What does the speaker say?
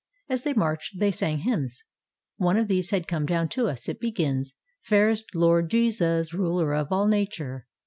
As they marched, they sang hymns. One of these has come down to us. It begins, —" Fairest Lord Jesus, Ruler of all nature."